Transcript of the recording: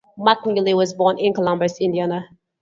McNealy was born in Columbus, Indiana.